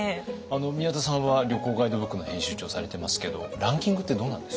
宮田さんは旅行ガイドブックの編集長をされてますけどランキングってどうなんですか？